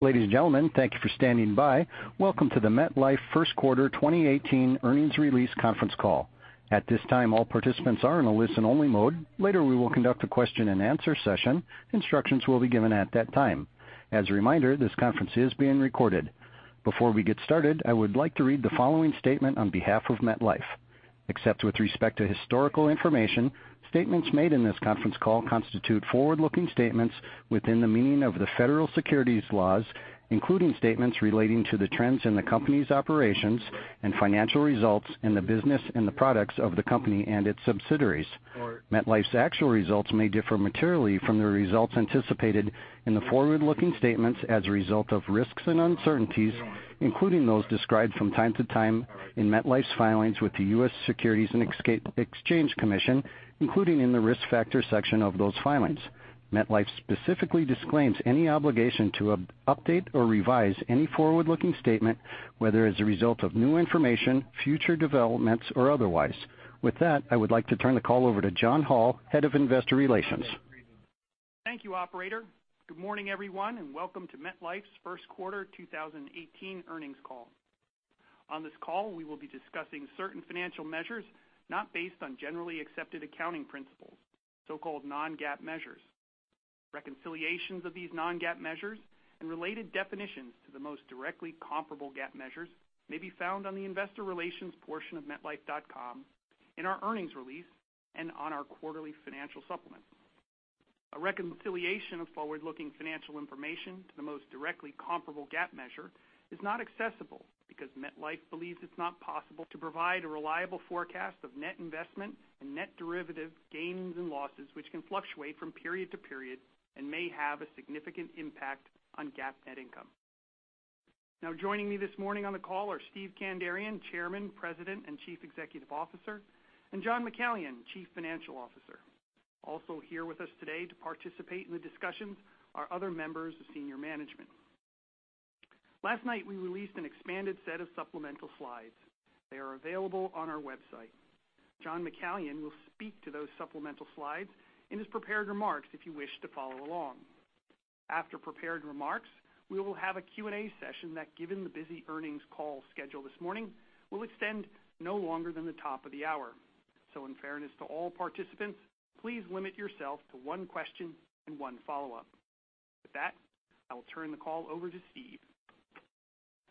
Ladies and gentlemen, thank you for standing by. Welcome to the MetLife First Quarter 2018 Earnings Release Conference Call. At this time, all participants are in a listen-only mode. Later, we will conduct a question and answer session. Instructions will be given at that time. As a reminder, this conference is being recorded. Before we get started, I would like to read the following statement on behalf of MetLife. Except with respect to historical information, statements made in this conference call constitute forward-looking statements within the meaning of the federal securities laws, including statements relating to the trends in the company's operations and financial results and the business and the products of the company and its subsidiaries. MetLife's actual results may differ materially from the results anticipated in the forward-looking statements as a result of risks and uncertainties, including those described from time to time in MetLife's filings with the U.S. Securities and Exchange Commission, including in the Risk Factors section of those filings. MetLife specifically disclaims any obligation to update or revise any forward-looking statement, whether as a result of new information, future developments, or otherwise. With that, I would like to turn the call over to John Hall, Head of Investor Relations. Thank you, operator. Good morning, everyone, and welcome to MetLife's First Quarter 2018 earnings call. On this call, we will be discussing certain financial measures not based on Generally Accepted Accounting Principles, so-called non-GAAP measures. Reconciliations of these non-GAAP measures and related definitions to the most directly comparable GAAP measures may be found on the investor relations portion of metlife.com, in our earnings release, and on our quarterly financial supplement. A reconciliation of forward-looking financial information to the most directly comparable GAAP measure is not accessible because MetLife believes it's not possible to provide a reliable forecast of net investment and net derivative gains and losses, which can fluctuate from period to period and may have a significant impact on GAAP net income. Joining me this morning on the call are Steve Kandarian, Chairman, President, and Chief Executive Officer, and John McCallion, Chief Financial Officer. Also here with us today to participate in the discussions are other members of senior management. Last night, we released an expanded set of supplemental slides. They are available on our website. John McCallion will speak to those supplemental slides in his prepared remarks if you wish to follow along. After prepared remarks, we will have a Q&A session that, given the busy earnings call schedule this morning, will extend no longer than the top of the hour. In fairness to all participants, please limit yourself to one question and one follow-up. With that, I will turn the call over to Steve.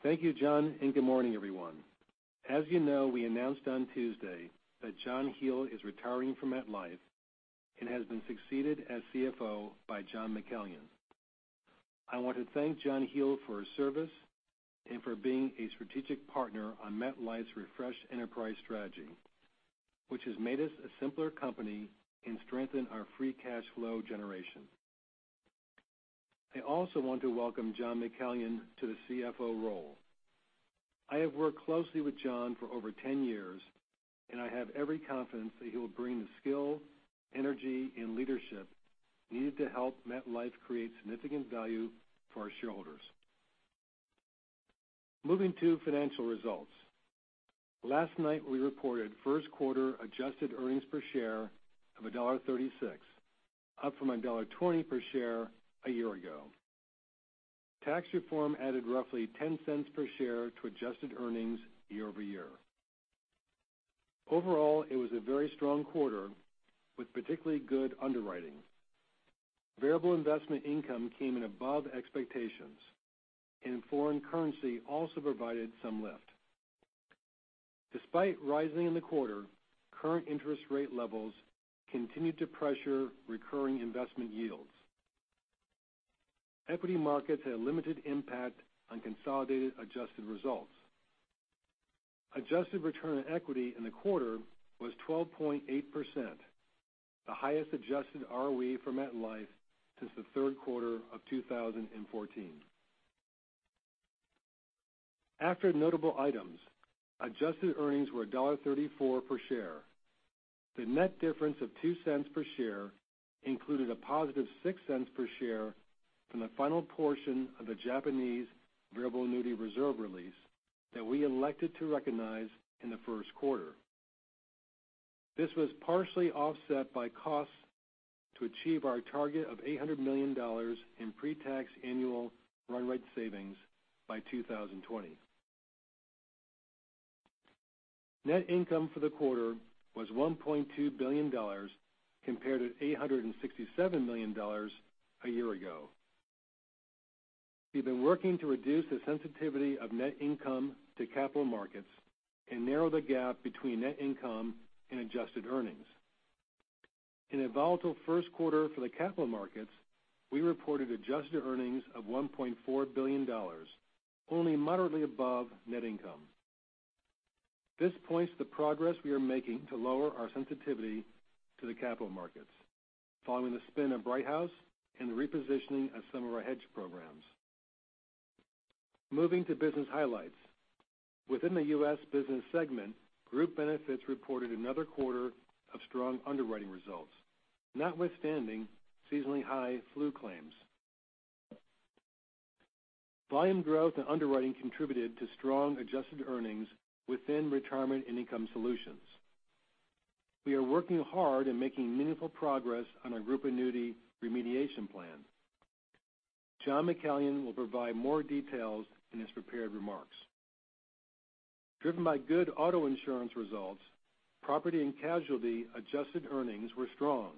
Thank you, John, and good morning, everyone. As you know, we announced on Tuesday that John Hele is retiring from MetLife and has been succeeded as CFO by John McCallion. I want to thank John Hele for his service and for being a strategic partner on MetLife's refreshed enterprise strategy, which has made us a simpler company and strengthened our free cash flow generation. I also want to welcome John McCallion to the CFO role. I have worked closely with John for over 10 years, and I have every confidence that he will bring the skill, energy, and leadership needed to help MetLife create significant value for our shareholders. Moving to financial results. Last night, we reported first quarter adjusted earnings per share of $1.36, up from $1.20 per share a year ago. Tax reform added roughly $0.10 per share to adjusted earnings year-over-year. Overall, it was a very strong quarter with particularly good underwriting. Variable investment income came in above expectations, foreign currency also provided some lift. Despite rising in the quarter, current interest rate levels continued to pressure recurring investment yields. Equity markets had a limited impact on consolidated adjusted results. Adjusted return on equity in the quarter was 12.8%, the highest adjusted ROE for MetLife since the third quarter of 2014. After notable items, adjusted earnings were $1.34 per share. The net difference of $0.02 per share included a positive $0.06 per share from the final portion of the Japanese variable annuity reserve release that we elected to recognize in the first quarter. This was partially offset by costs to achieve our target of $800 million in pre-tax annual run rate savings by 2020. Net income for the quarter was $1.2 billion, compared to $867 million a year ago. We've been working to reduce the sensitivity of net income to capital markets and narrow the gap between net income and adjusted earnings. In a volatile first quarter for the capital markets, we reported adjusted earnings of $1.4 billion, only moderately above net income. This points to the progress we are making to lower our sensitivity to the capital markets following the spin of Brighthouse and the repositioning of some of our hedge programs. Moving to business highlights. Within the U.S. business segment, Group Benefits reported another quarter of strong underwriting results, notwithstanding seasonally high flu claims. Volume growth and underwriting contributed to strong adjusted earnings within Retirement and Income Solutions. We are working hard and making meaningful progress on our group annuity remediation plan. John McCallion will provide more details in his prepared remarks. Driven by good auto insurance results, property and casualty adjusted earnings were strong,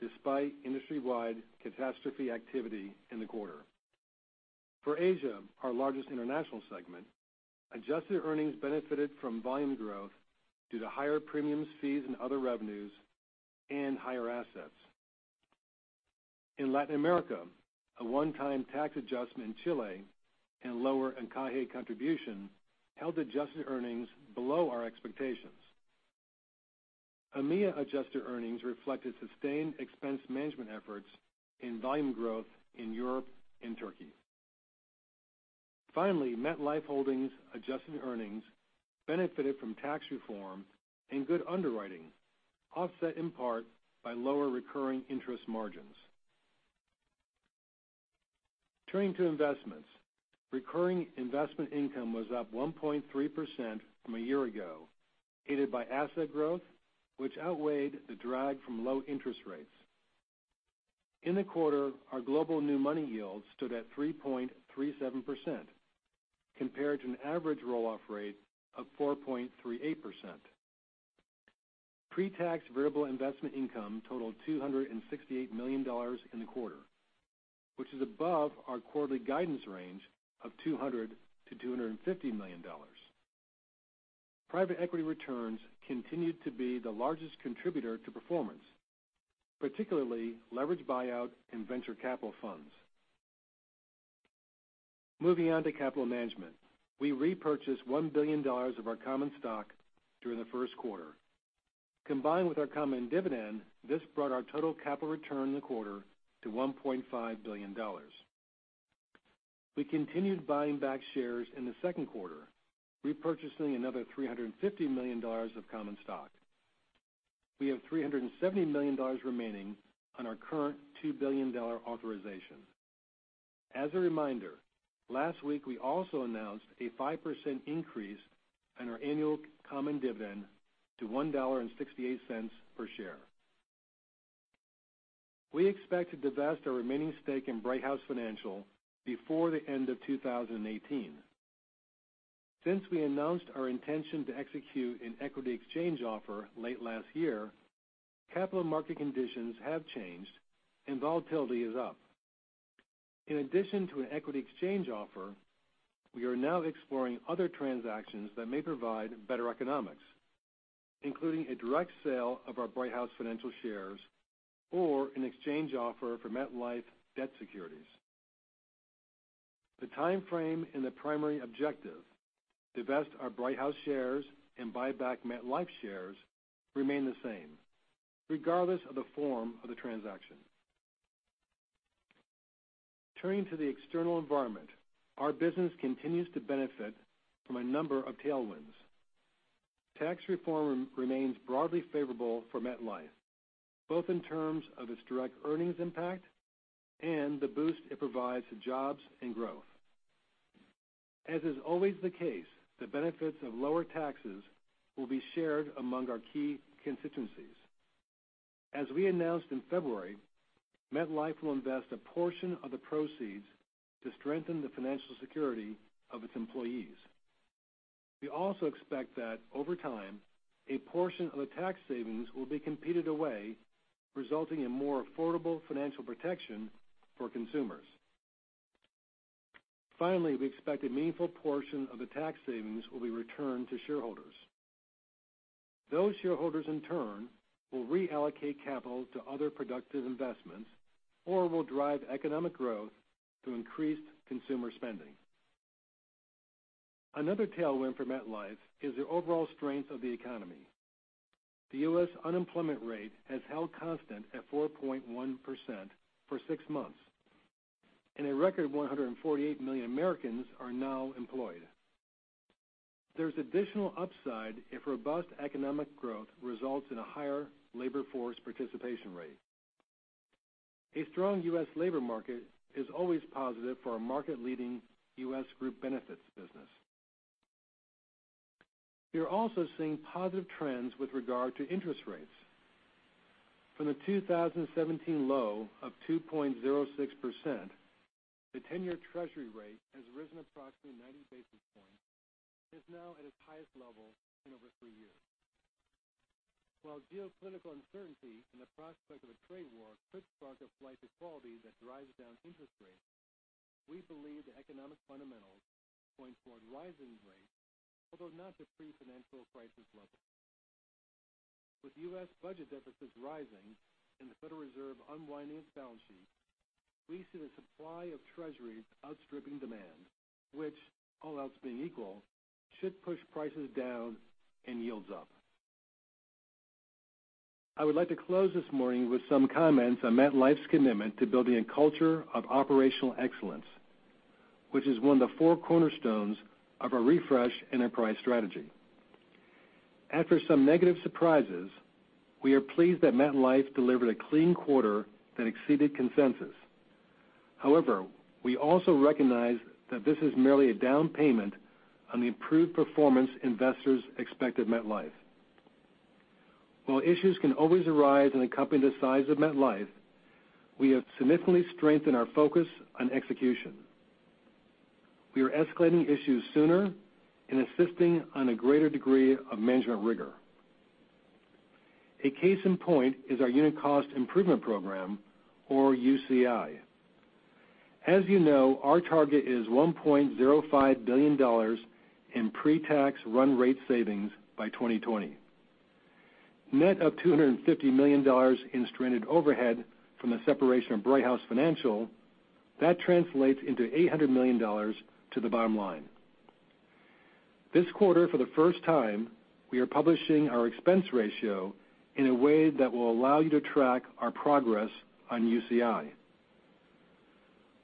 despite industry-wide catastrophe activity in the quarter. For Asia, our largest international segment, adjusted earnings benefited from volume growth due to higher premiums, fees, and other revenues and higher assets. In Latin America, a one-time tax adjustment in Chile and lower encaje contribution held adjusted earnings below our expectations. EMEA adjusted earnings reflected sustained expense management efforts in volume growth in Europe and Turkey. Finally, MetLife Holdings adjusted earnings benefited from tax reform and good underwriting, offset in part by lower recurring interest margins. Turning to investments, recurring investment income was up 1.3% from a year ago, aided by asset growth, which outweighed the drag from low interest rates. In the quarter, our global new money yield stood at 3.37%, compared to an average roll-off rate of 4.38%. Pre-tax variable investment income totaled $268 million in the quarter, which is above our quarterly guidance range of $200 million-$250 million. Private equity returns continued to be the largest contributor to performance, particularly leveraged buyout and venture capital funds. Moving on to capital management. We repurchased $1 billion of our common stock during the first quarter. Combined with our common dividend, this brought our total capital return in the quarter to $1.5 billion. We continued buying back shares in the second quarter, repurchasing another $350 million of common stock. We have $370 million remaining on our current $2 billion authorization. As a reminder, last week, we also announced a 5% increase on our annual common dividend to $1.68 per share. We expect to divest our remaining stake in Brighthouse Financial before the end of 2018. Since we announced our intention to execute an equity exchange offer late last year, capital market conditions have changed and volatility is up. In addition to an equity exchange offer, we are now exploring other transactions that may provide better economics, including a direct sale of our Brighthouse Financial shares or an exchange offer for MetLife debt securities. The time frame and the primary objective, divest our Brighthouse shares and buy back MetLife shares, remain the same, regardless of the form of the transaction. Turning to the external environment, our business continues to benefit from a number of tailwinds. Tax reform remains broadly favorable for MetLife, both in terms of its direct earnings impact and the boost it provides to jobs and growth. As is always the case, the benefits of lower taxes will be shared among our key constituencies. As we announced in February, MetLife will invest a portion of the proceeds to strengthen the financial security of its employees. We also expect that over time, a portion of the tax savings will be competed away, resulting in more affordable financial protection for consumers. Finally, we expect a meaningful portion of the tax savings will be returned to shareholders. Those shareholders, in turn, will reallocate capital to other productive investments or will drive economic growth through increased consumer spending. Another tailwind for MetLife is the overall strength of the economy. The U.S. unemployment rate has held constant at 4.1% for six months, and a record 148 million Americans are now employed. There's additional upside if robust economic growth results in a higher labor force participation rate. A strong U.S. labor market is always positive for our market-leading U.S. Group Benefits business. We are also seeing positive trends with regard to interest rates. From the 2017 low of 2.06%, the 10-year Treasury rate has risen approximately 90 basis points and is now at its highest level in over three years. While geopolitical uncertainty and the prospect of a trade war could spark a flight to quality that drives down interest rates, we believe the economic fundamentals point toward rising rates, although not to pre-financial crisis levels. With U.S. budget deficits rising and the Federal Reserve unwinding its balance sheet, we see the supply of Treasuries outstripping demand, which, all else being equal, should push prices down and yields up. I would like to close this morning with some comments on MetLife's commitment to building a culture of operational excellence, which is one of the four cornerstones of our refreshed enterprise strategy. After some negative surprises, we are pleased that MetLife delivered a clean quarter that exceeded consensus. However, we also recognize that this is merely a down payment on the improved performance investors expect of MetLife. While issues can always arise in a company the size of MetLife, we have significantly strengthened our focus on execution. We are escalating issues sooner and insisting on a greater degree of management rigor. A case in point is our unit cost improvement program, or UCI. As you know, our target is $1.05 billion in pre-tax run rate savings by 2020. Net of $250 million in stranded overhead from the separation of Brighthouse Financial, that translates into $800 million to the bottom line. This quarter, for the first time, we are publishing our expense ratio in a way that will allow you to track our progress on UCI.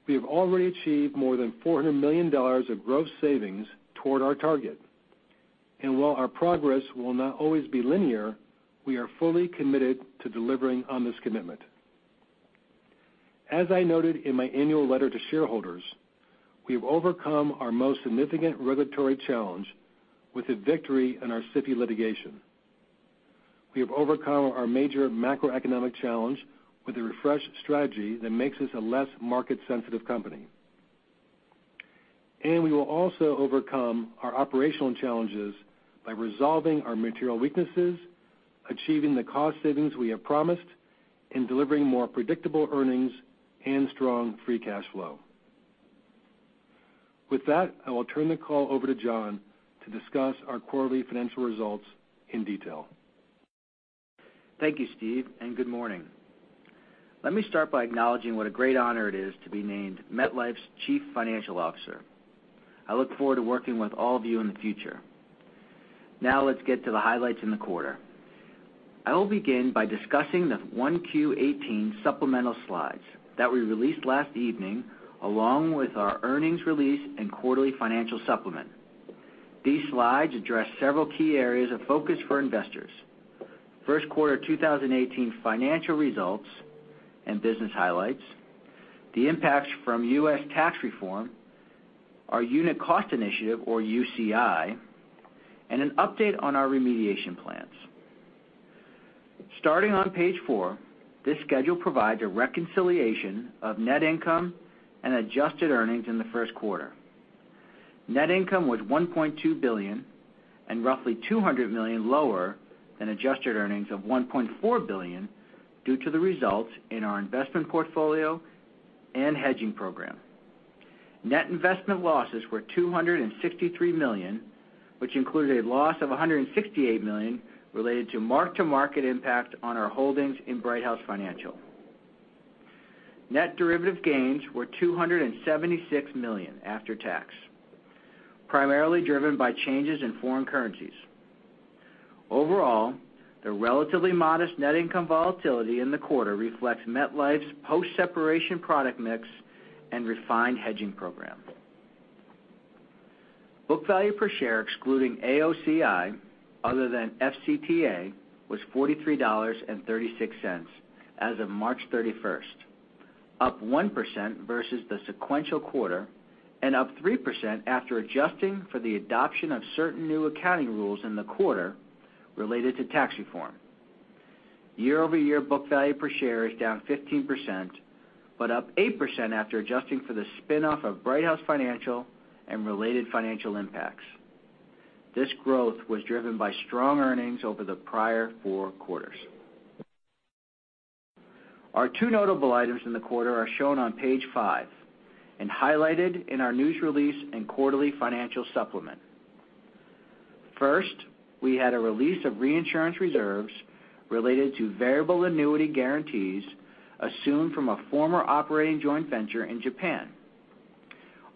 We have already achieved more than $400 million of gross savings toward our target. While our progress will not always be linear, we are fully committed to delivering on this commitment. As I noted in my annual letter to shareholders, we have overcome our most significant regulatory challenge with a victory in our SIFI litigation. We have overcome our major macroeconomic challenge with a refreshed strategy that makes us a less market-sensitive company. We will also overcome our operational challenges by resolving our material weaknesses, achieving the cost savings we have promised, and delivering more predictable earnings and strong free cash flow. With that, I will turn the call over to John to discuss our quarterly financial results in detail. Thank you, Steve, and good morning. Let me start by acknowledging what a great honor it is to be named MetLife's Chief Financial Officer. I look forward to working with all of you in the future. Now let's get to the highlights in the quarter. I will begin by discussing the 1Q18 supplemental slides that we released last evening, along with our earnings release and quarterly financial supplement. These slides address several key areas of focus for investors. First quarter 2018 financial results and business highlights, the impacts from U.S. tax reform, our unit cost initiative or UCI, and an update on our remediation plans. Starting on page four, this schedule provides a reconciliation of net income and adjusted earnings in the first quarter. Net income was $1.2 billion, and roughly $200 million lower than adjusted earnings of $1.4 billion due to the results in our investment portfolio and hedging program. Net investment losses were $263 million, which included a loss of $168 million related to mark-to-market impact on our holdings in Brighthouse Financial. Net derivative gains were $276 million after tax, primarily driven by changes in foreign currencies. Overall, the relatively modest net income volatility in the quarter reflects MetLife's post-separation product mix and refined hedging program. Book value per share, excluding AOCI, other than FCTA, was $43.36 as of March 31, up 1% versus the sequential quarter and up 3% after adjusting for the adoption of certain new accounting rules in the quarter related to tax reform. Year-over-year book value per share is down 15%, but up 8% after adjusting for the spin-off of Brighthouse Financial and related financial impacts. This growth was driven by strong earnings over the prior four quarters. Our two notable items in the quarter are shown on page five and highlighted in our news release and quarterly financial supplement. First, we had a release of reinsurance reserves related to variable annuity guarantees assumed from a former operating joint venture in Japan.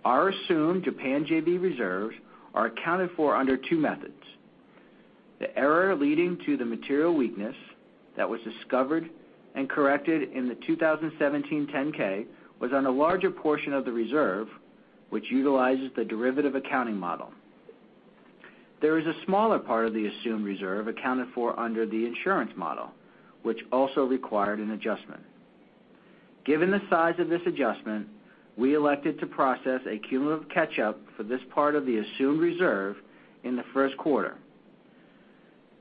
Our assumed Japan JV reserves are accounted for under two methods. The error leading to the material weakness that was discovered and corrected in the 2017 10-K was on a larger portion of the reserve, which utilizes the derivative accounting model. There is a smaller part of the assumed reserve accounted for under the insurance model, which also required an adjustment. Given the size of this adjustment, we elected to process a cumulative catch-up for this part of the assumed reserve in the first quarter.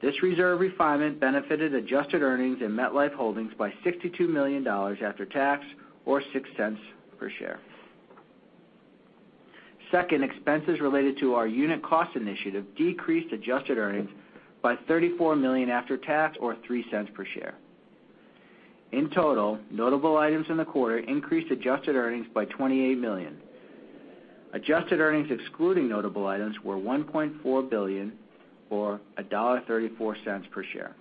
This reserve refinement benefited adjusted earnings in MetLife Holdings by $62 million after tax or $0.06 per share. Second, expenses related to our Unit Cost Initiative decreased adjusted earnings by $34 million after tax or $0.03 per share. In total, notable items in the quarter increased adjusted earnings by $28 million. Adjusted earnings excluding notable items were $1.4 billion or $1.34 per share.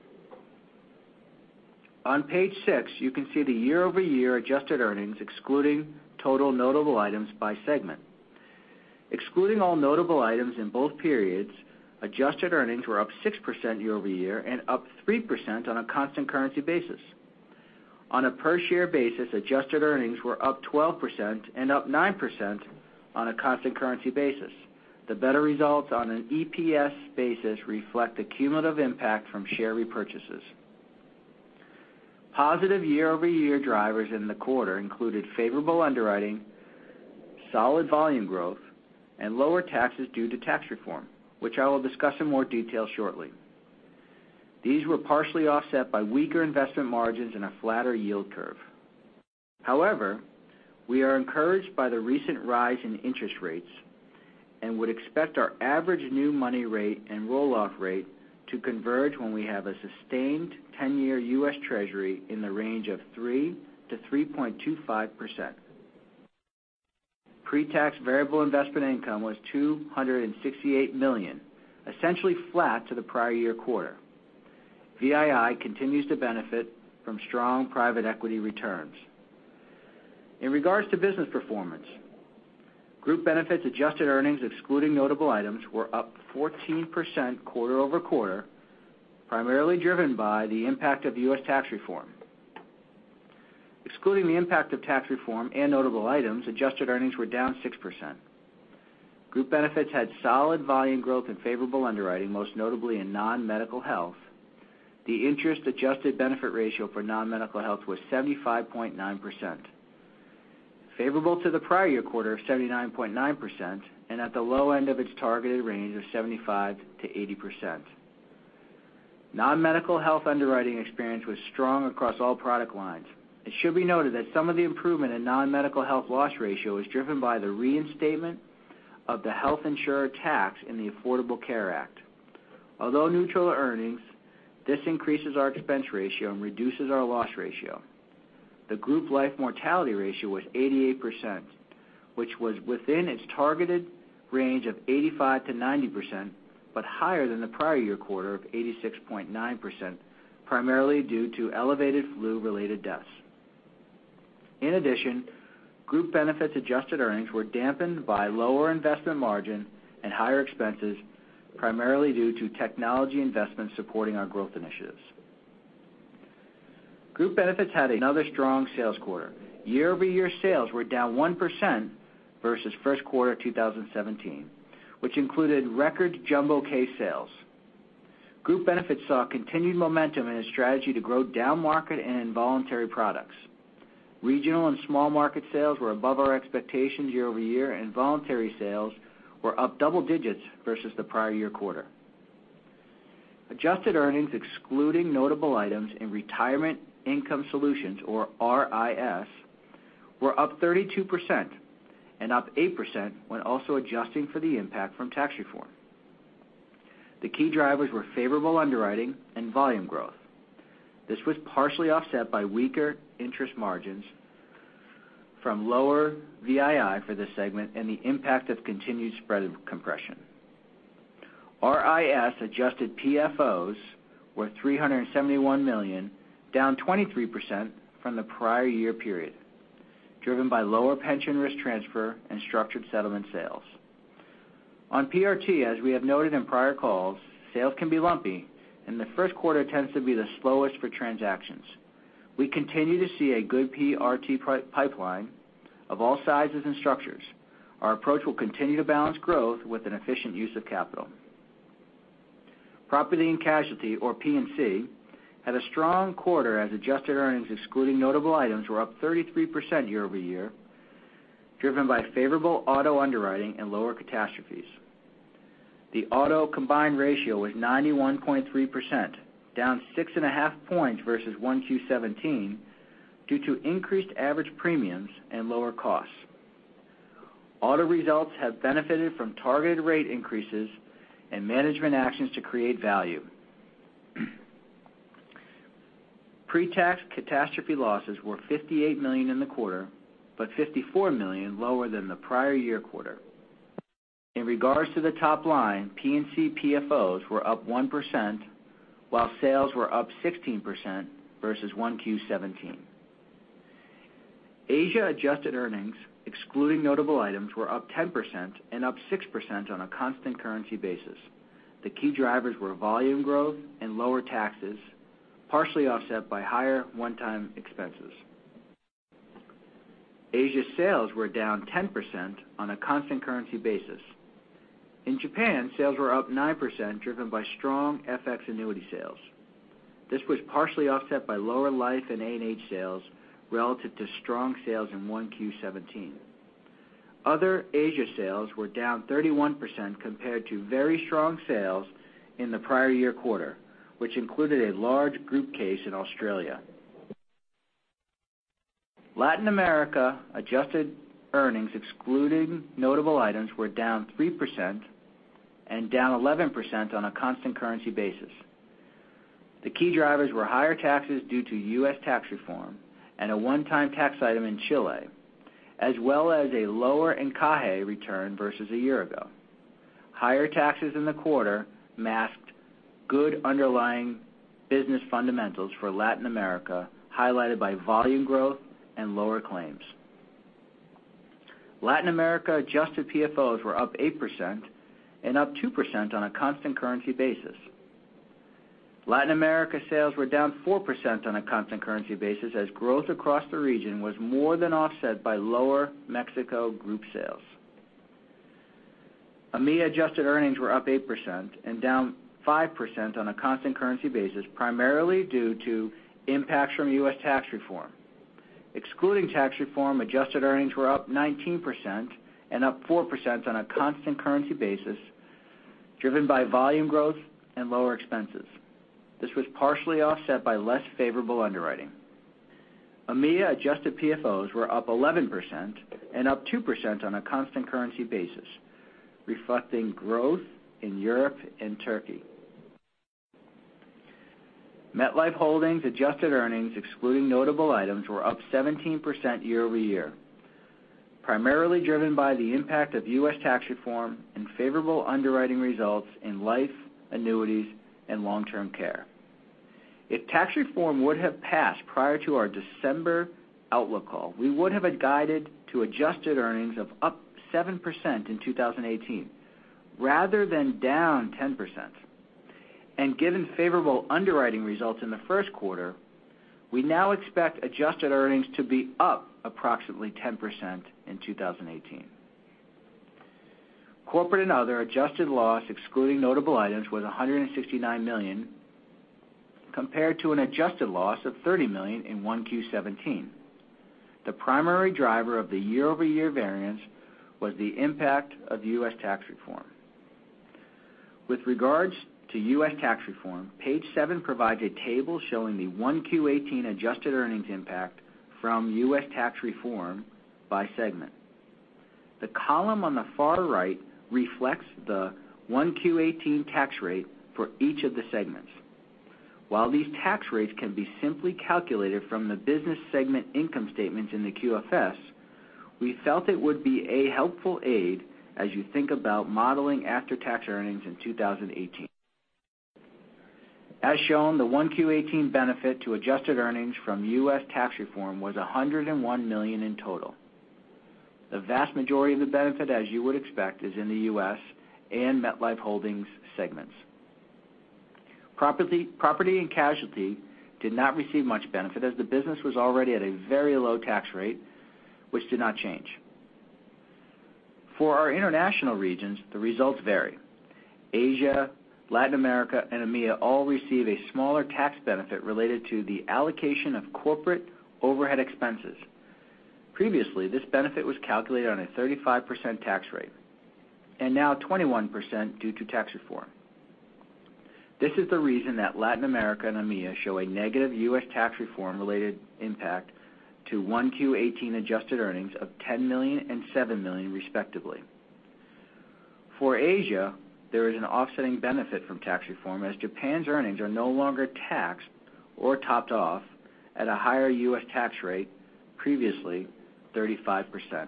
On page six, you can see the year-over-year adjusted earnings excluding total notable items by segment. Excluding all notable items in both periods, adjusted earnings were up 6% year-over-year and up 3% on a constant currency basis. On a per share basis, adjusted earnings were up 12% and up 9% on a constant currency basis. The better results on an EPS basis reflect the cumulative impact from share repurchases. Positive year-over-year drivers in the quarter included favorable underwriting, solid volume growth, and lower taxes due to tax reform, which I will discuss in more detail shortly. These were partially offset by weaker investment margins and a flatter yield curve. However, we are encouraged by the recent rise in interest rates and would expect our average new money rate and roll-off rate to converge when we have a sustained 10-year U.S. Treasury in the range of 3%-3.25%. Pre-tax variable investment income was $268 million, essentially flat to the prior year quarter. VII continues to benefit from strong private equity returns. In regards to business performance, Group Benefits adjusted earnings excluding notable items were up 14% quarter-over-quarter, primarily driven by the impact of U.S. tax reform. Excluding the impact of tax reform and notable items, adjusted earnings were down 6%. Group Benefits had solid volume growth and favorable underwriting, most notably in non-medical health. The interest-adjusted benefit ratio for non-medical health was 75.9%, favorable to the prior year quarter of 79.9% and at the low end of its targeted range of 75%-80%. Non-medical health underwriting experience was strong across all product lines. It should be noted that some of the improvement in non-medical health loss ratio is driven by the reinstatement of the health insurer tax in the Affordable Care Act. Although neutral to earnings, this increases our expense ratio and reduces our loss ratio. The group life mortality ratio was 88%, which was within its targeted range of 85%-90%, but higher than the prior year quarter of 86.9%, primarily due to elevated flu-related deaths. In addition, Group Benefits adjusted earnings were dampened by lower investment margin and higher expenses, primarily due to technology investments supporting our growth initiatives. Group Benefits had another strong sales quarter. Year-over-year sales were down 1% versus first quarter 2017, which included record jumbo case sales. Group Benefits saw continued momentum in its strategy to grow down-market and involuntary products. Regional and small market sales were above our expectations year-over-year, and voluntary sales were up double digits versus the prior year quarter. Adjusted earnings excluding notable items in Retirement and Income Solutions, or RIS, were up 32% and up 8% when also adjusting for the impact from tax reform. The key drivers were favorable underwriting and volume growth. This was partially offset by weaker interest margins from lower VII for this segment and the impact of continued spread compression. RIS adjusted PFOs were $371 million, down 23% from the prior year period, driven by lower pension risk transfer and structured settlement sales. On PRT, as we have noted in prior calls, sales can be lumpy and the first quarter tends to be the slowest for transactions. We continue to see a good PRT pipeline of all sizes and structures. Our approach will continue to balance growth with an efficient use of capital. Property and Casualty, or P&C, had a strong quarter as adjusted earnings excluding notable items were up 33% year-over-year, driven by favorable auto underwriting and lower catastrophes. The auto combined ratio was 91.3%, down 6.5 points versus 1Q17 due to increased average premiums and lower costs. Auto results have benefited from targeted rate increases and management actions to create value. Pre-tax catastrophe losses were $58 million in the quarter, but $54 million lower than the prior year quarter. In regards to the top line, P&C PFOs were up 1%, while sales were up 16% versus 1Q17. Asia adjusted earnings, excluding notable items, were up 10% and up 6% on a constant currency basis. The key drivers were volume growth and lower taxes, partially offset by higher one-time expenses. Asia sales were down 10% on a constant currency basis. In Japan, sales were up 9%, driven by strong FX annuity sales. This was partially offset by lower life and A&H sales relative to strong sales in 1Q17. Other Asia sales were down 31% compared to very strong sales in the prior year quarter, which included a large group case in Australia. Latin America adjusted earnings excluding notable items were down 3% and down 11% on a constant currency basis. The key drivers were higher taxes due to U.S. tax reform and a one-time tax item in Chile, as well as a lower encaje return versus a year ago. Higher taxes in the quarter masked good underlying business fundamentals for Latin America, highlighted by volume growth and lower claims. Latin America adjusted PFOs were up 8% and up 2% on a constant currency basis. Latin America sales were down 4% on a constant currency basis as growth across the region was more than offset by lower Mexico group sales. EMEA adjusted earnings were up 8% and down 5% on a constant currency basis, primarily due to impacts from U.S. tax reform. Excluding tax reform, adjusted earnings were up 19% and up 4% on a constant currency basis, driven by volume growth and lower expenses. This was partially offset by less favorable underwriting. EMEA adjusted PFOs were up 11% and up 2% on a constant currency basis, reflecting growth in Europe and Turkey. MetLife Holdings adjusted earnings, excluding notable items, were up 17% year-over-year, primarily driven by the impact of U.S. tax reform and favorable underwriting results in life, annuities, and long-term care. If tax reform would have passed prior to our December outlook call, we would have guided to adjusted earnings of up 7% in 2018, rather than down 10%. Given favorable underwriting results in the first quarter, we now expect adjusted earnings to be up approximately 10% in 2018. Corporate and Other adjusted loss, excluding notable items, was $169 million, compared to an adjusted loss of $30 million in 1Q17. The primary driver of the year-over-year variance was the impact of U.S. tax reform. With regards to U.S. tax reform, page seven provides a table showing the 1Q18 adjusted earnings impact from U.S. tax reform by segment. The column on the far right reflects the 1Q18 tax rate for each of the segments. While these tax rates can be simply calculated from the business segment income statements in the QFS, we felt it would be a helpful aid as you think about modeling after-tax earnings in 2018. As shown, the 1Q18 benefit to adjusted earnings from U.S. tax reform was $101 million in total. The vast majority of the benefit, as you would expect, is in the U.S. and MetLife Holdings segments. Property and casualty did not receive much benefit, as the business was already at a very low tax rate, which did not change. For our international regions, the results vary. Asia, Latin America, and EMEA all receive a smaller tax benefit related to the allocation of Corporate overhead expenses. Previously, this benefit was calculated on a 35% tax rate, and now 21% due to tax reform. This is the reason that Latin America and EMEA show a negative U.S. tax reform-related impact to 1Q18 adjusted earnings of $10 million and $7 million respectively. For Asia, there is an offsetting benefit from tax reform, as Japan's earnings are no longer taxed or topped off at a higher U.S. tax rate, previously 35%.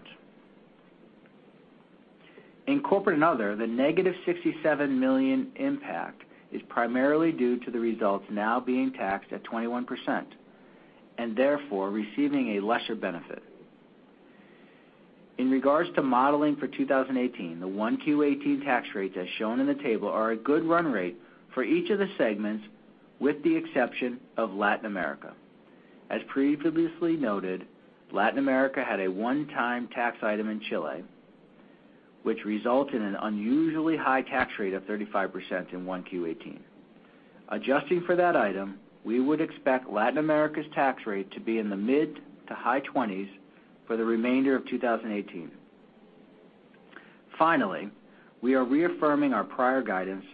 In Corporate and Other, the negative $67 million impact is primarily due to the results now being taxed at 21% and therefore receiving a lesser benefit. In regards to modeling for 2018, the 1Q18 tax rates as shown in the table are a good run rate for each of the segments, with the exception of Latin America. As previously noted, Latin America had a one-time tax item in Chile, which resulted in an unusually high tax rate of 35% in 1Q18. Adjusting for that item, we would expect Latin America's tax rate to be in the mid-to-high 20s for the remainder of 2018. Finally, we are reaffirming our prior guidance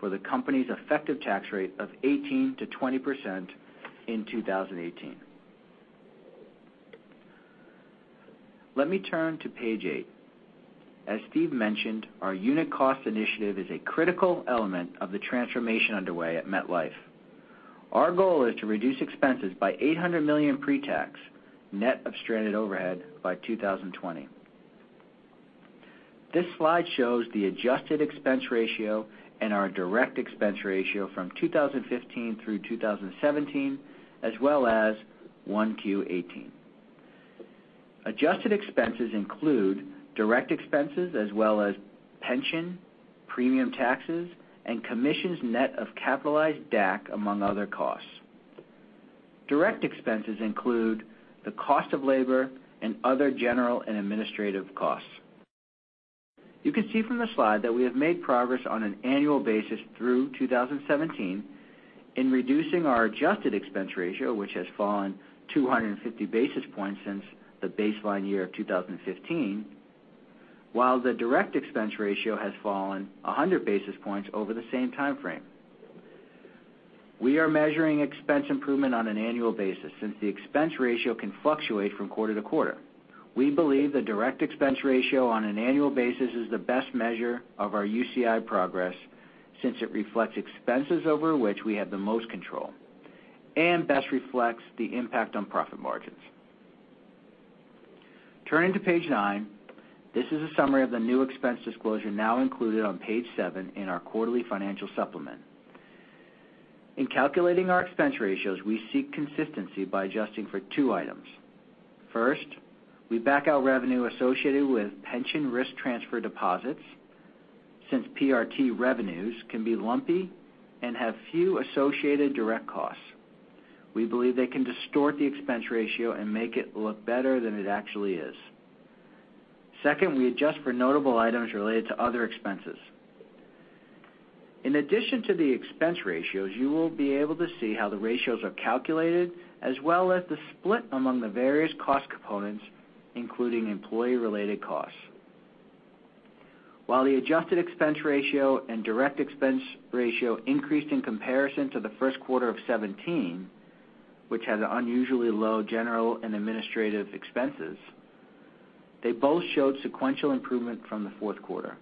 for the company's effective tax rate of 18%-20% in 2018. Let me turn to page eight. As Steve mentioned, our unit cost initiative is a critical element of the transformation underway at MetLife. Our goal is to reduce expenses by $800 million pre-tax, net of stranded overhead by 2020. This slide shows the adjusted expense ratio and our direct expense ratio from 2015 through 2017, as well as 1Q18. Adjusted expenses include direct expenses as well as pension, premium taxes, and commissions net of capitalized DAC, among other costs. Direct expenses include the cost of labor and other general and administrative costs. You can see from the slide that we have made progress on an annual basis through 2017 in reducing our adjusted expense ratio, which has fallen 250 basis points since the baseline year of 2015, while the direct expense ratio has fallen 100 basis points over the same time frame. We are measuring expense improvement on an annual basis, since the expense ratio can fluctuate from quarter to quarter. We believe the direct expense ratio on an annual basis is the best measure of our UCI progress, since it reflects expenses over which we have the most control and best reflects the impact on profit margins. Turning to page nine. This is a summary of the new expense disclosure now included on page seven in our quarterly financial supplement. In calculating our expense ratios, we seek consistency by adjusting for two items. First, we back out revenue associated with pension risk transfer deposits, since PRT revenues can be lumpy and have few associated direct costs. We believe they can distort the expense ratio and make it look better than it actually is. Second, we adjust for notable items related to other expenses. In addition to the expense ratios, you will be able to see how the ratios are calculated, as well as the split among the various cost components, including employee-related costs. While the adjusted expense ratio and direct expense ratio increased in comparison to the first quarter of 2017, which had unusually low general and administrative expenses, they both showed sequential improvement from the fourth quarter.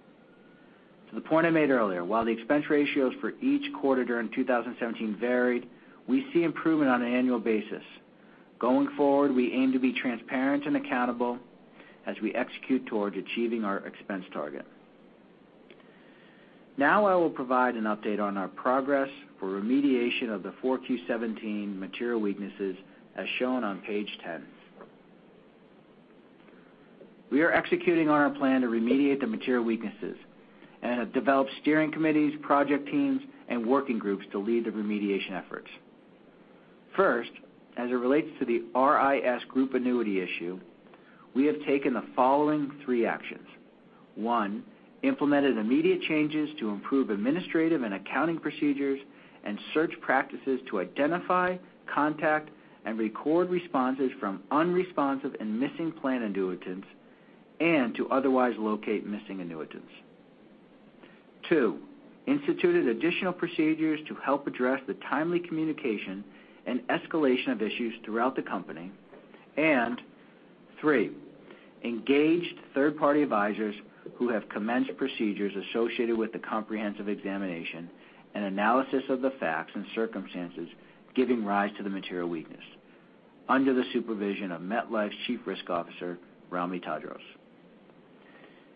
To the point I made earlier, while the expense ratios for each quarter during 2017 varied, we see improvement on an annual basis. Going forward, we aim to be transparent and accountable as we execute towards achieving our expense target. Now I will provide an update on our progress for remediation of the 4Q 2017 material weaknesses, as shown on page 10. We are executing on our plan to remediate the material weaknesses and have developed steering committees, project teams, and working groups to lead the remediation efforts. First, as it relates to the RIS group annuity issue, we have taken the following three actions. One, implemented immediate changes to improve administrative and accounting procedures and search practices to identify, contact, and record responses from unresponsive and missing plan annuitants and to otherwise locate missing annuitants. Two, instituted additional procedures to help address the timely communication and escalation of issues throughout the company. Three, engaged third-party advisors who have commenced procedures associated with the comprehensive examination and analysis of the facts and circumstances giving rise to the material weakness under the supervision of MetLife's Chief Risk Officer, Ramy Tadros.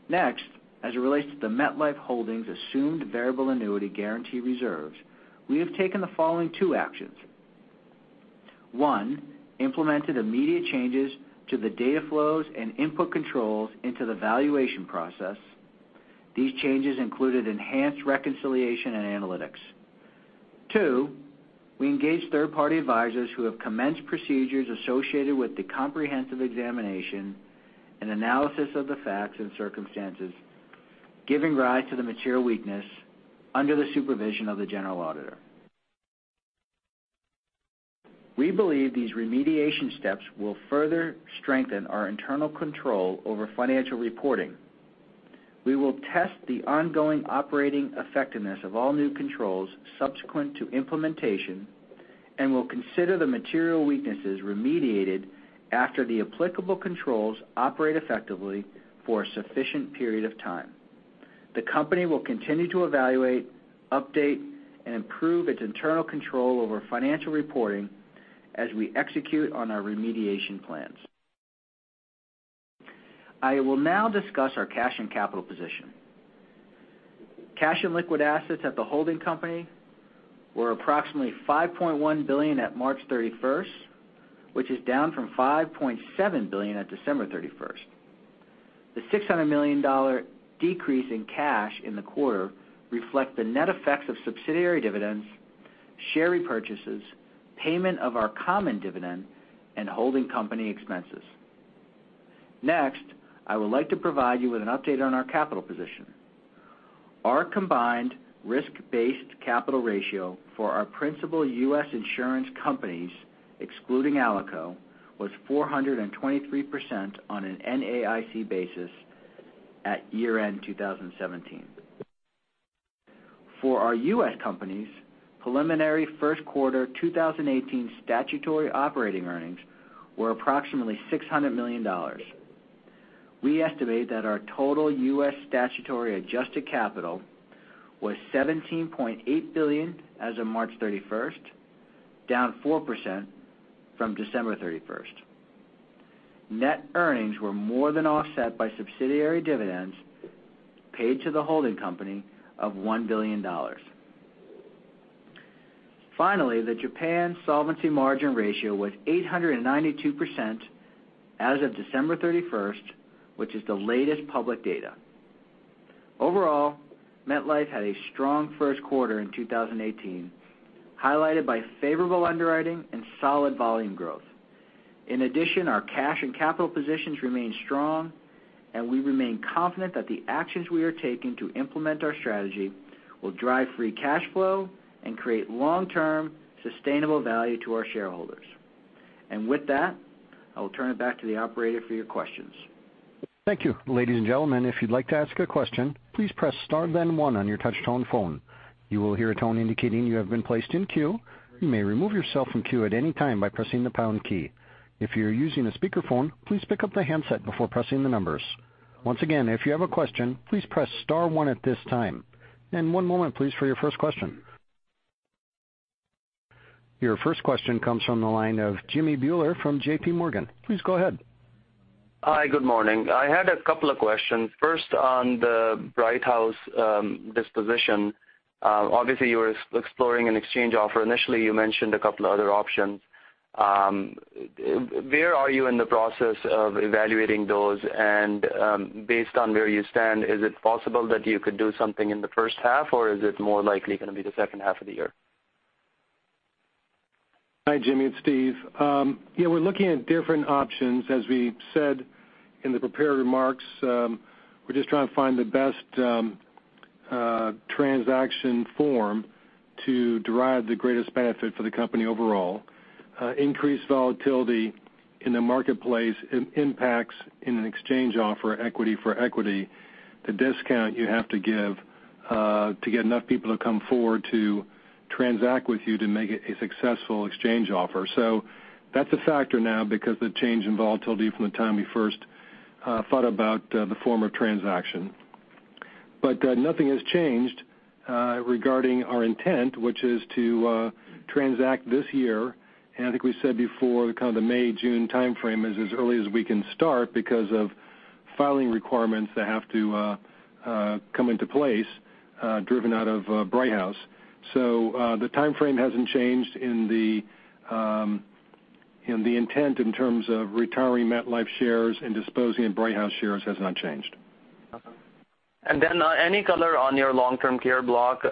Next, as it relates to the MetLife Holdings assumed variable annuity guarantee reserves, we have taken the following two actions. One, implemented immediate changes to the data flows and input controls into the valuation process. These changes included enhanced reconciliation and analytics. Two, we engaged third-party advisors who have commenced procedures associated with the comprehensive examination and analysis of the facts and circumstances giving rise to the material weakness under the supervision of the general auditor. We believe these remediation steps will further strengthen our internal control over financial reporting. We will test the ongoing operating effectiveness of all new controls subsequent to implementation and will consider the material weaknesses remediated after the applicable controls operate effectively for a sufficient period of time. The company will continue to evaluate, update, and improve its internal control over financial reporting as we execute on our remediation plans. I will now discuss our cash and capital position. Cash and liquid assets at the holding company were approximately $5.1 billion at March 31st, which is down from $5.7 billion at December 31st. The $600 million decrease in cash in the quarter reflect the net effects of subsidiary dividends, share repurchases, payment of our common dividend, and holding company expenses. Next, I would like to provide you with an update on our capital position. Our combined risk-based capital ratio for our principal U.S. insurance companies, excluding ALICO, was 423% on an NAIC basis at year-end 2017. For our U.S. companies, preliminary first quarter 2018 statutory operating earnings were approximately $600 million. We estimate that our total U.S. statutory adjusted capital was $17.8 billion as of March 31st, down 4% from December 31st. Net earnings were more than offset by subsidiary dividends paid to the holding company of $1 billion. Finally, the Japan solvency margin ratio was 892% as of December 31st, which is the latest public data. Overall, MetLife had a strong first quarter in 2018, highlighted by favorable underwriting and solid volume growth. In addition, our cash and capital positions remain strong, and we remain confident that the actions we are taking to implement our strategy will drive free cash flow and create long-term sustainable value to our shareholders. With that, I will turn it back to the operator for your questions. Thank you. Ladies and gentlemen, if you'd like to ask a question, please press star then one on your touch-tone phone. You will hear a tone indicating you have been placed in queue. You may remove yourself from queue at any time by pressing the pound key. If you're using a speakerphone, please pick up the handset before pressing the numbers. Once again, if you have a question, please press star one at this time. One moment please for your first question. Your first question comes from the line of Jimmy Bhullar from JPMorgan. Please go ahead. Hi, good morning. I had a couple of questions. First, on the Brighthouse disposition. Obviously, you were exploring an exchange offer. Initially, you mentioned a couple of other options. Where are you in the process of evaluating those? Based on where you stand, is it possible that you could do something in the first half, or is it more likely going to be the second half of the year? Hi, Jimmy, it's Steve. We're looking at different options. As we said in the prepared remarks, we're just trying to find the best transaction form to derive the greatest benefit for the company overall. Increased volatility in the marketplace impacts in an exchange offer equity for equity, the discount you have to give to get enough people to come forward to transact with you to make it a successful exchange offer. That's a factor now because of the change in volatility from the time we first thought about the form of transaction. Nothing has changed regarding our intent, which is to transact this year. I think we said before the kind of the May, June time frame is as early as we can start because of filing requirements that have to come into place driven out of Brighthouse. The time frame hasn't changed in the intent in terms of retiring MetLife shares and disposing of Brighthouse shares has not changed. Okay. Any color on your long-term care block?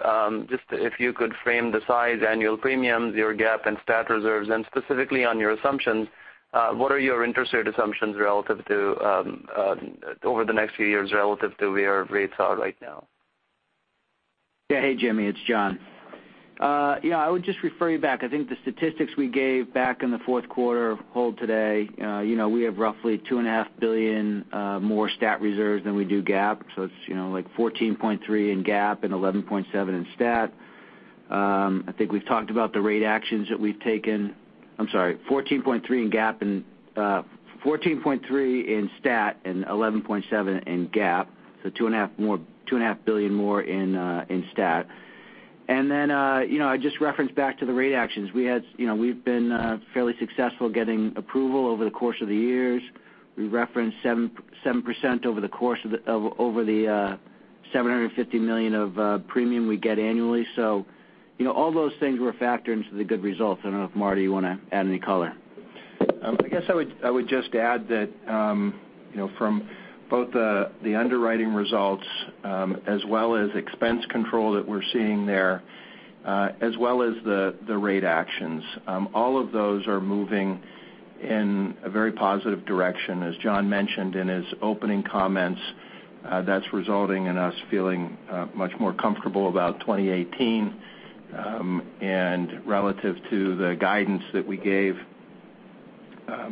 Just if you could frame the size, annual premiums, your GAAP and stat reserves and specifically on your assumptions, what are your interest rate assumptions over the next few years relative to where rates are right now? Hey, Jimmy, it's John. I would just refer you back. I think the statistics we gave back in the fourth quarter hold today. We have roughly $2.5 billion more stat reserves than we do GAAP. It's like 14.3 in GAAP and 11.7 in stat. I think we've talked about the rate actions that we've taken. I'm sorry, 14.3 in stat and 11.7 in GAAP, so $2.5 billion more in stat. I just reference back to the rate actions. We've been fairly successful getting approval over the course of the years. We referenced 7% over the course of over the $750 million of premium we get annually. All those things were factored into the good results. I don't know if, Marty, you want to add any color. I guess I would just add that from both the underwriting results as well as expense control that we're seeing there as well as the rate actions, all of those are moving in a very positive direction. As John mentioned in his opening comments, that's resulting in us feeling much more comfortable about 2018 and relative to the guidance that we gave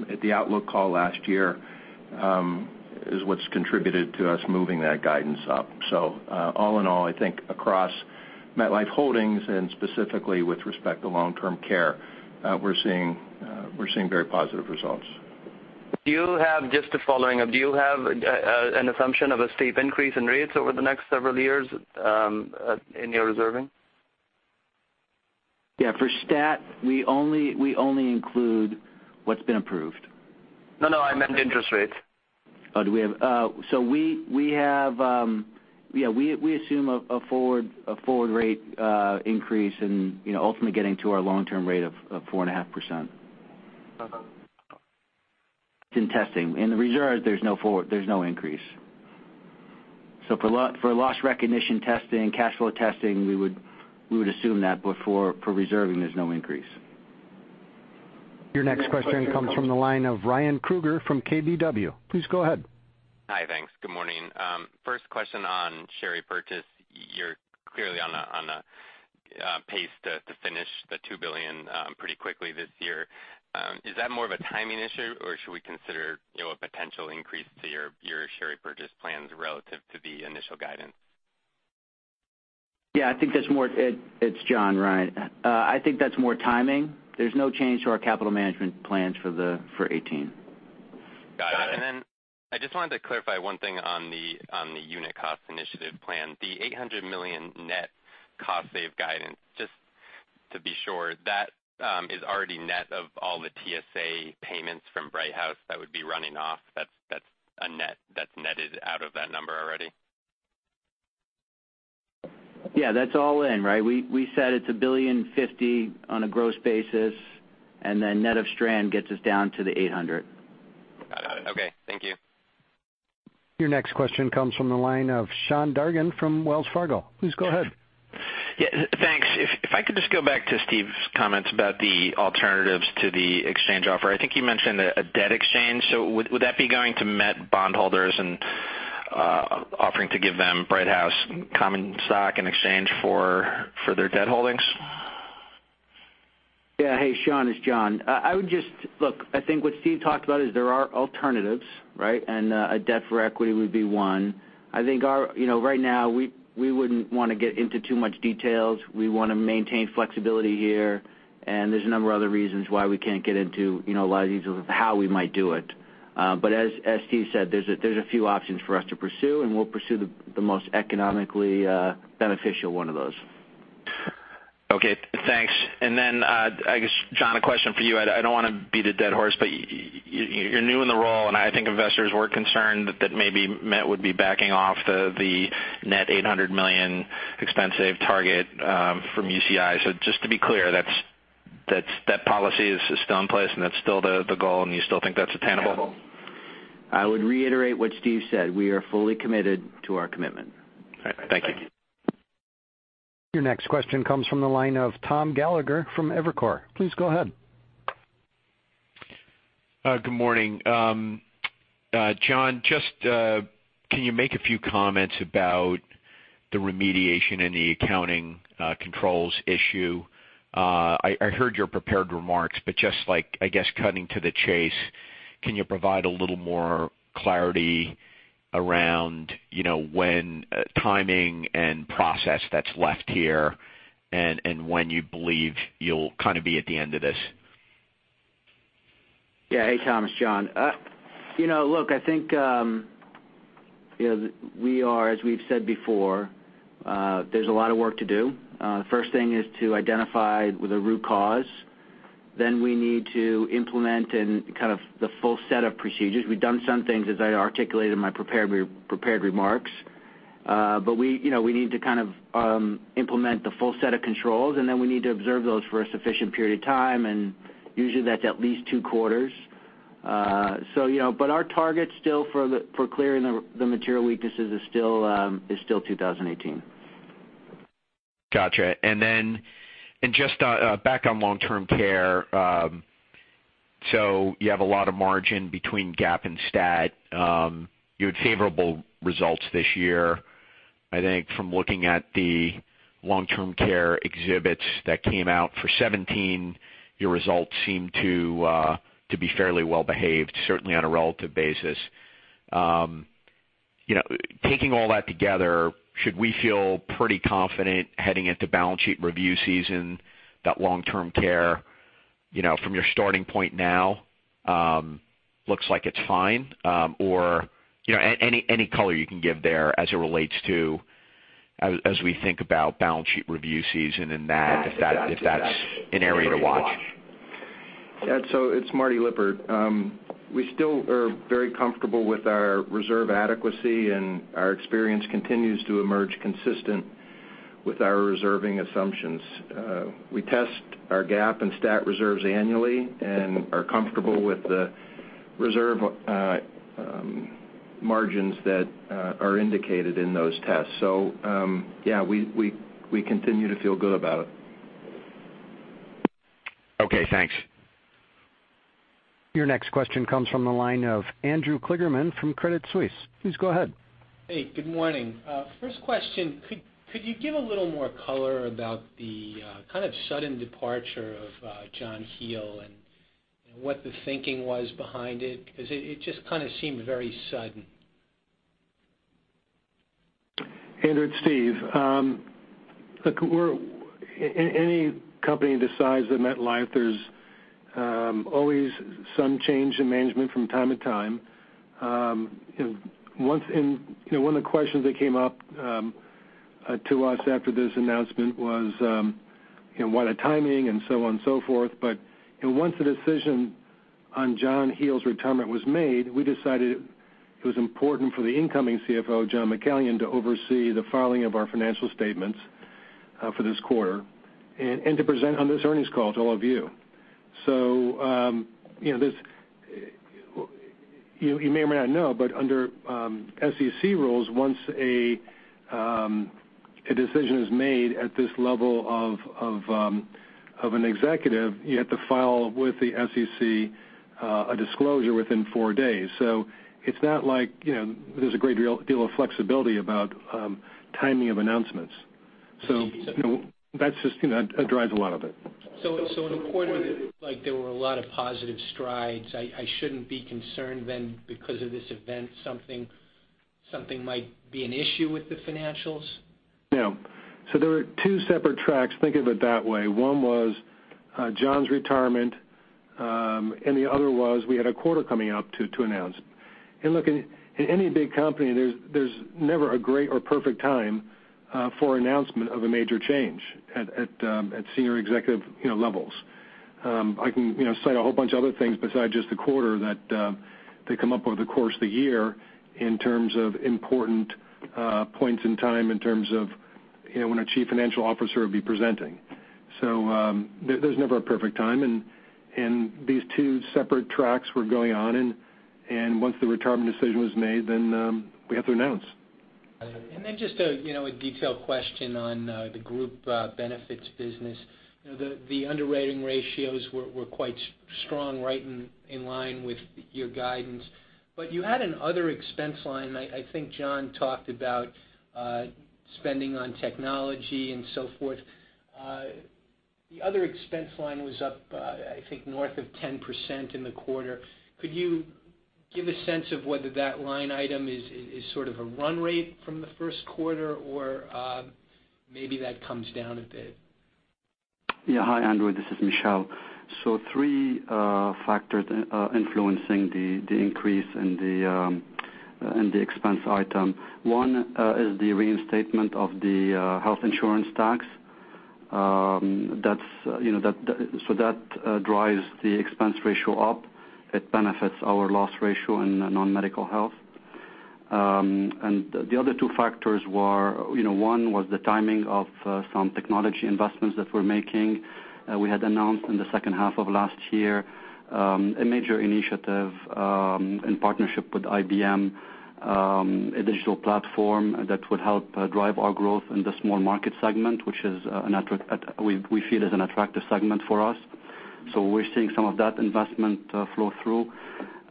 at the outlook call last year is what's contributed to us moving that guidance up. All in all, I think across MetLife Holdings and specifically with respect to long-term care, we're seeing very positive results. Just following up, do you have an assumption of a steep increase in rates over the next several years in your reserving? For stat, we only include what's been approved. No, I meant interest rates. We assume a forward rate increase and ultimately getting to our long-term rate of 4.5% in testing. In the reserves, there's no increase. For loss recognition testing, cash flow testing, we would assume that, but for reserving, there's no increase. Your next question comes from the line of Ryan Krueger from KBW. Please go ahead. Hi, thanks. Good morning. First question on share repurchase. You're clearly on a pace to finish the $2 billion pretty quickly this year. Is that more of a timing issue, or should we consider a potential increase to your share repurchase plans relative to the initial guidance? It's John, Ryan. I think that's more timing. There's no change to our capital management plans for 2018. Got it. I just wanted to clarify one thing on the Unit Cost Initiative Plan. The $800 million net cost save guidance, just to be sure, that is already net of all the TSA payments from Brighthouse that would be running off. That's netted out of that number already? Yeah, that's all in, right? We said it's $1.05 billion on a gross basis, net of stranded gets us down to the $800. Got it. Okay, thank you. Your next question comes from the line of Sean Dargan from Wells Fargo. Please go ahead. Thanks. If I could just go back to Steve's comments about the alternatives to the exchange offer. I think you mentioned a debt exchange. Would that be going to Met bondholders and offering to give them Brighthouse common stock in exchange for their debt holdings? Hey, Sean, it's John. Look, I think what Steve talked about is there are alternatives, right? A debt for equity would be one. I think right now we wouldn't want to get into too much details. We want to maintain flexibility here, there's a number of other reasons why we can't get into a lot of these, how we might do it. As Steve said, there's a few options for us to pursue, we'll pursue the most economically beneficial one of those. Okay, thanks. I guess, John, a question for you. I don't want to beat a dead horse, but you're new in the role, I think investors were concerned that maybe Met would be backing off the net $800 million expense save target from UCI. Just to be clear, that policy is still in place, that's still the goal, you still think that's attainable? I would reiterate what Steve said. We are fully committed to our commitment. All right. Thank you. Your next question comes from the line of Tom Gallagher from Evercore. Please go ahead. Good morning. John, just can you make a few comments about the remediation and the accounting controls issue? I heard your prepared remarks, but just, I guess, cutting to the chase, can you provide a little more clarity around when timing and process that's left here and when you believe you'll be at the end of this? Yeah. Hey, Tom, it's John. Look, I think we are as we've said before there's a lot of work to do. First thing is to identify the root cause. We need to implement and kind of the full set of procedures. We've done some things, as I articulated in my prepared remarks. We need to kind of implement the full set of controls, and then we need to observe those for a sufficient period of time, and usually that's at least two quarters. Our target still for clearing the material weaknesses is still 2018. Got you. Just back on long-term care you have a lot of margin between GAAP and STAT. You had favorable results this year. I think from looking at the long-term care exhibits that came out for 2017, your results seem to be fairly well behaved, certainly on a relative basis. Taking all that together, should we feel pretty confident heading into balance sheet review season that long-term care from your starting point now looks like it's fine? Any color you can give there as it relates to as we think about balance sheet review season and if that's an area to watch. Yeah. It's Martin Lippert. We still are very comfortable with our reserve adequacy, and our experience continues to emerge consistent with our reserving assumptions. We test our GAAP and STAT reserves annually and are comfortable with the reserve margins that are indicated in those tests. Yeah, we continue to feel good about it. Okay, thanks. Your next question comes from the line of Andrew Kligerman from Credit Suisse. Please go ahead. Hey, good morning. First question, could you give a little more color about the kind of sudden departure of John Hele and what the thinking was behind it? It just kind of seemed very sudden. Andrew, it's Steve. Look, any company the size of MetLife, there's always some change in management from time to time. One of the questions that came up to us after this announcement was, what a timing and so on and so forth. Once the decision on John Hele's retirement was made, we decided it was important for the incoming CFO, John McCallion, to oversee the filing of our financial statements for this quarter and to present on this earnings call to all of you. You may or may not know, but under SEC rules, once a decision is made at this level of an executive, you have to file with the SEC a disclosure within four days. It's not like there's a great deal of flexibility about timing of announcements. That drives a lot of it. In the quarter, there were a lot of positive strides. I shouldn't be concerned because of this event, something might be an issue with the financials? No. There were two separate tracks. Think of it that way. One was John's retirement. The other was we had a quarter coming up to announce. Look, in any big company, there's never a great or perfect time for announcement of a major change at senior executive levels. I can cite a whole bunch of other things besides just the quarter that they come up over the course of the year in terms of important points in time, in terms of when a Chief Financial Officer will be presenting. There's never a perfect time. These two separate tracks were going on. Once the retirement decision was made, we have to announce. Just a detailed question on the Group Benefits business. The underwriting ratios were quite strong, right in line with your guidance. You had another expense line. I think John talked about spending on technology and so forth. The other expense line was up I think north of 10% in the quarter. Could you give a sense of whether that line item is sort of a run rate from the first quarter, or maybe that comes down a bit? Hi, Andrew. This is Michel. Three factors influencing the increase in the expense item. One is the reinstatement of the health insurance tax. That drives the expense ratio up. It benefits our loss ratio in non-medical health. The other two factors were. One was the timing of some technology investments that we're making. We had announced in the second half of last year, a major initiative, in partnership with IBM, a digital platform that would help drive our growth in the small market segment, which we feel is an attractive segment for us. We're seeing some of that investment flow through.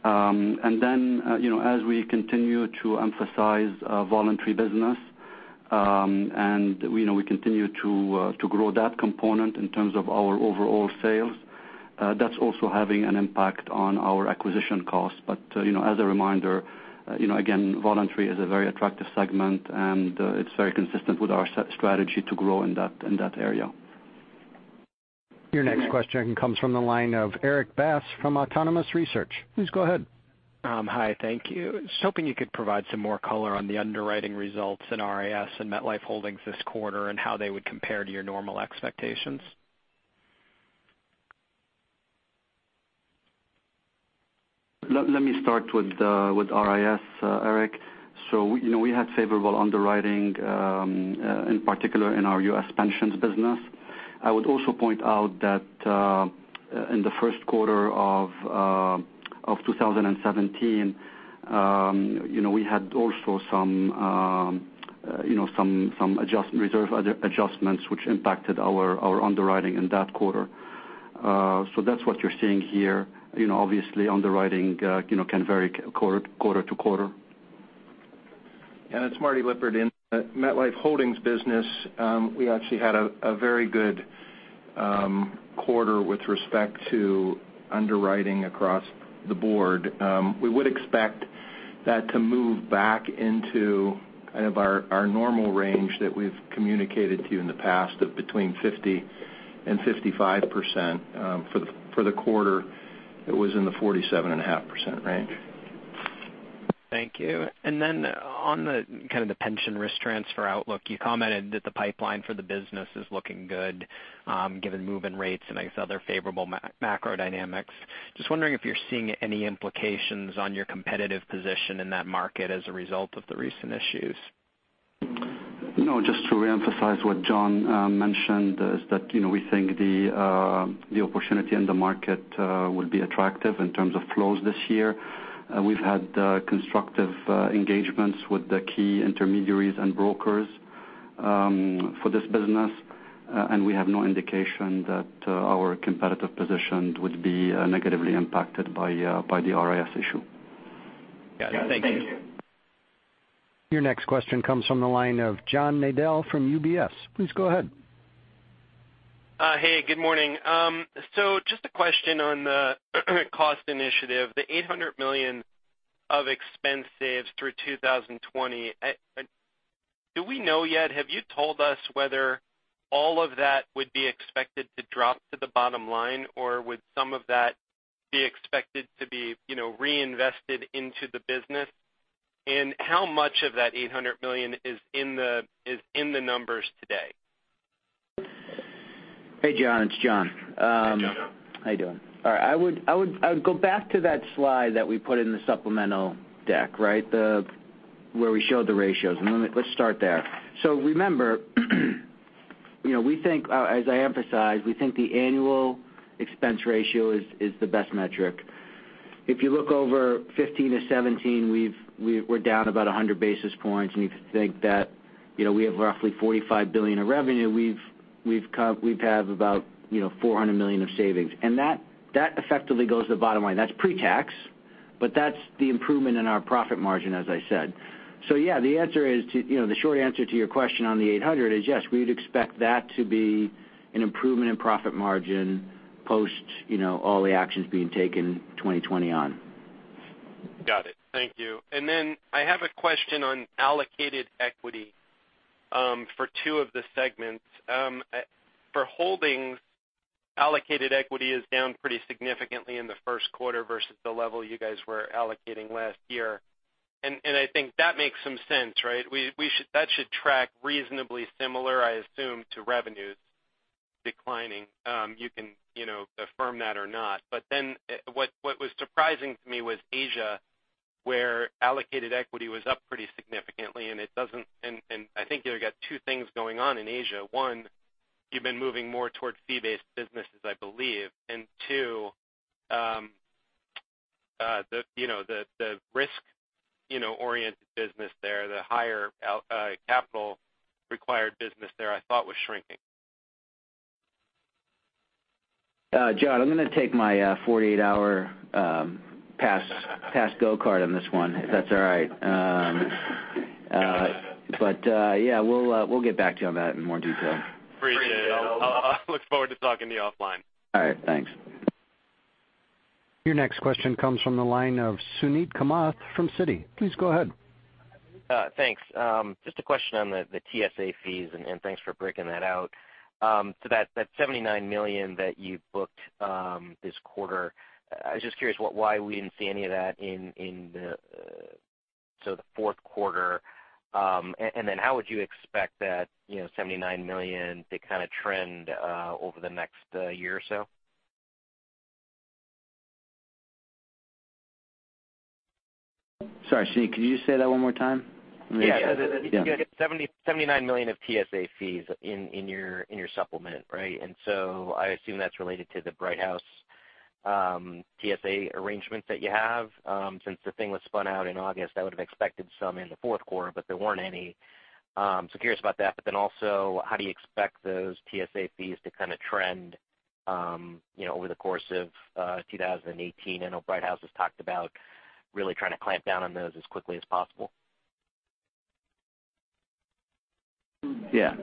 As we continue to emphasize voluntary business, we continue to grow that component in terms of our overall sales. That's also having an impact on our acquisition costs. As a reminder, again, voluntary is a very attractive segment. It's very consistent with our strategy to grow in that area. Your next question comes from the line of Erik Bass from Autonomous Research. Please go ahead. Hi, thank you. Just hoping you could provide some more color on the underwriting results in RIS and MetLife Holdings this quarter and how they would compare to your normal expectations. Let me start with RIS, Erik. We had favorable underwriting, in particular in our U.S. pensions business. I would also point out that in the first quarter of 2017, we had also some reserve adjustments, which impacted our underwriting in that quarter. That's what you're seeing here. Obviously, underwriting can vary quarter to quarter. It's Marty Lippert. In MetLife Holdings business, we actually had a very good quarter with respect to underwriting across the board. We would expect that to move back into kind of our normal range that we've communicated to you in the past, of between 50%-55%. For the quarter, it was in the 47.5% range. Thank you. On the kind of the pension risk transfer outlook, you commented that the pipeline for the business is looking good, given move-in rates and these other favorable macro dynamics. Just wondering if you're seeing any implications on your competitive position in that market as a result of the recent issues. No, just to reemphasize what John mentioned, is that we think the opportunity in the market will be attractive in terms of flows this year. We've had constructive engagements with the key intermediaries and brokers for this business, and we have no indication that our competitive position would be negatively impacted by the RIS issue. Got it. Thank you. Your next question comes from the line of John Nadel from UBS. Please go ahead. Hey, good morning. Just a question on the cost initiative, the $800 million of expense saves through 2020. Do we know yet, have you told us whether all of that would be expected to drop to the bottom line, or would some of that be expected to be reinvested into the business? How much of that $800 million is in the numbers today? Hey, John, it's John. Hey, John. How you doing? All right. I would go back to that slide that we put in the supplemental deck, where we showed the ratios, let's start there. Remember, as I emphasized, we think the annual expense ratio is the best metric. If you look over 2015 to 2017, we're down about 100 basis points, and you think that we have roughly $45 billion of revenue, we'd have about $400 million of savings. That effectively goes to the bottom line. That's pre-tax, but that's the improvement in our profit margin, as I said. Yeah, the short answer to your question on the $800 is yes, we'd expect that to be an improvement in profit margin post all the actions being taken 2020 on. Got it. Thank you. I have a question on allocated equity for two of the segments. For MetLife Holdings, allocated equity is down pretty significantly in the first quarter versus the level you guys were allocating last year. I think that makes some sense, right? That should track reasonably similar, I assume, to revenues declining. You can affirm that or not. What was surprising to me was Asia, where allocated equity was up pretty significantly, and I think you got two things going on in Asia. One, you've been moving more towards fee-based businesses, I believe. Two, the risk-oriented business there, the higher capital required business there, I thought was shrinking. John, I'm going to take my 48-hour pass go card on this one, if that's all right. Yeah, we'll get back to you on that in more detail. Appreciate it. I'll look forward to talking to you offline. All right. Thanks. Your next question comes from the line of Suneet Kamath from Citi. Please go ahead. Thanks. Just a question on the TSA fees, and thanks for breaking that out. That $79 million that you booked this quarter, I was just curious why we didn't see any of that in the fourth quarter. How would you expect that $79 million to kind of trend over the next year or so? Sorry, Suneet, could you just say that one more time? Yeah. You got $79 million of TSA fees in your supplement, right? I assume that's related to the Brighthouse TSA arrangement that you have. Since the thing was spun out in August, I would've expected some in the fourth quarter, there weren't any. Curious about that. Also, how do you expect those TSA fees to kind of trend over the course of 2018? I know Brighthouse has talked about really trying to clamp down on those as quickly as possible. Yeah.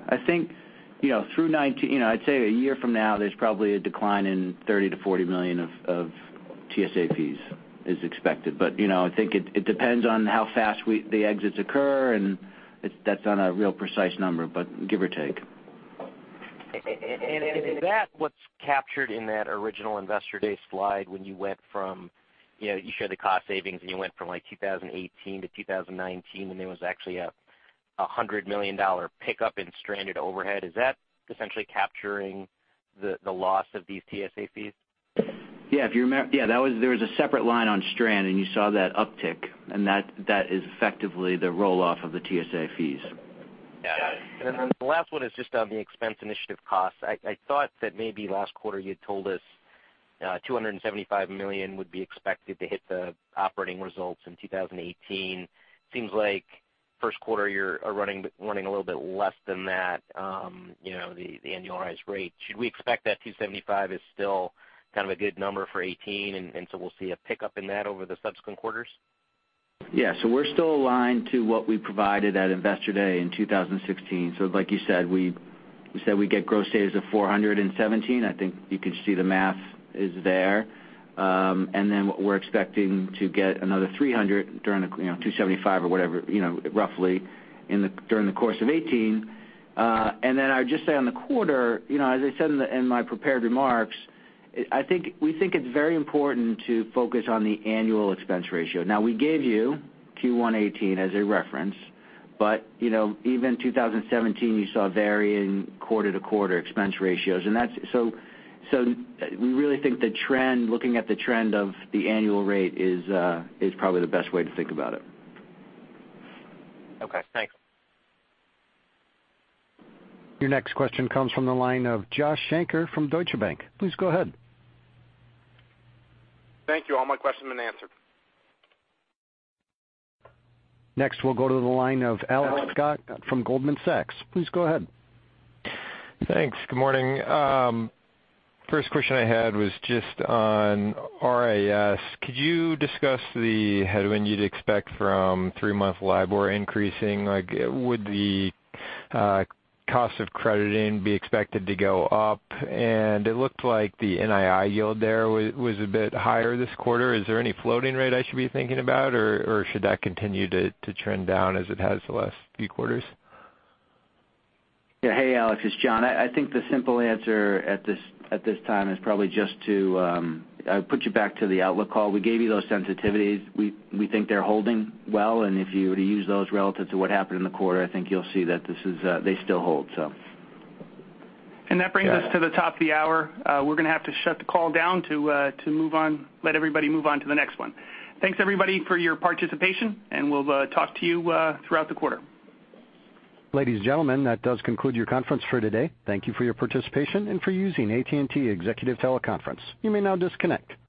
I think I'd say a year from now, there's probably a decline in $30 million-$40 million of TSA fees is expected. I think it depends on how fast the exits occur, and that's not a real precise number, but give or take. Is that what's captured in that original Investor Day slide when you showed the cost savings, and you went from 2018 to 2019 when there was actually a $100 million pickup in stranded overhead? Is that essentially capturing the loss of these TSA fees? Yeah. There was a separate line on strand, and you saw that uptick, and that is effectively the roll-off of the TSA fees. Got it. The last one is just on the expense initiative costs. I thought that maybe last quarter you had told us $275 million would be expected to hit the operating results in 2018. Seems like first quarter you're running a little bit less than that, the annualized rate. Should we expect that $275 million is still kind of a good number for 2018? We'll see a pickup in that over the subsequent quarters? Yeah. We're still aligned to what we provided at Investor Day in 2016. Like you said, we said we'd get gross savings of $417. I think you can see the math is there. What we're expecting to get another $300, $275 or whatever, roughly during the course of 2018. I would just say on the quarter, as I said in my prepared remarks, we think it's very important to focus on the annual expense ratio. We gave you Q1 2018 as a reference, but even 2017 you saw varying quarter-to-quarter expense ratios. We really think looking at the trend of the annual rate is probably the best way to think about it. Okay, thanks. Your next question comes from the line of Joshua Shanker from Deutsche Bank. Please go ahead. Thank you. All my questions have been answered. Next, we'll go to the line of Alex Scott from Goldman Sachs. Please go ahead. Thanks. Good morning. First question I had was just on RIS. Could you discuss the headwind you'd expect from three-month LIBOR increasing? Like would the cost of crediting be expected to go up? It looked like the NII yield there was a bit higher this quarter. Is there any floating rate I should be thinking about, or should that continue to trend down as it has the last few quarters? Yeah. Hey, Alex, it's John. I think the simple answer at this time is probably just to put you back to the outlook call. We gave you those sensitivities. We think they're holding well. If you were to use those relative to what happened in the quarter, I think you'll see that they still hold, so. That brings us to the top of the hour. We're going to have to shut the call down to let everybody move on to the next one. Thanks everybody for your participation, and we'll talk to you throughout the quarter. Ladies and gentlemen, that does conclude your conference for today. Thank you for your participation and for using AT&T Executive Teleconference. You may now disconnect.